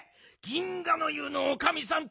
銀河の湯のおかみさん